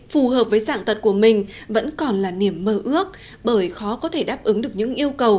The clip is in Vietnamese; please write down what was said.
phù hợp với sạng tật của mình vẫn còn là niềm mơ ước bởi khó có thể đáp ứng được những yêu cầu